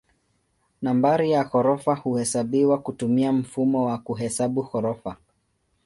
Nambari ya ghorofa huhesabiwa kutumia mfumo wa kuhesabu ghorofa.